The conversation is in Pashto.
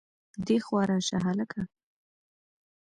دېخوا راشه هلکه